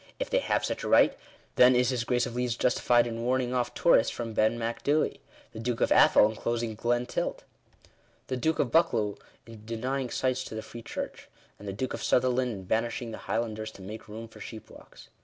If they have such a right, then is his Grace of Leeds justified in warning off tourists from Ben Mac Dbui, the Duke of Atholl in closing Glen Tilt, the Duke of Buccleugh in denying sites to the Free Church, and the Duke of Sutherland in banishing the Highlanders to make room for sheep walks.